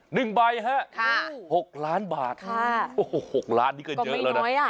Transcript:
หนึ่งใบฮะค่ะหกล้านบาทค่ะหกล้านนี่ก็เยอะแล้วนะก็ไม่น้อยอ่ะ